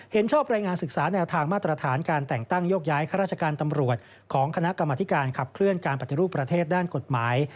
เห็นชอบรายงานศึกษาแนวทางมาตรฐานการแต่งตั้งโยกย้ายข้าราชการตำรวจของคณะกรรมธิการขับเคลื่อนการปฏิรูปประเทศด้านกฎหมาย